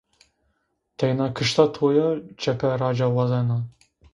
...teyna kışta to'ya çepe ra ca wazenan."